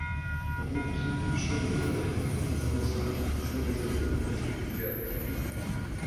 Route de Chaudefeuille, zéro cinq, zéro zéro zéro Gap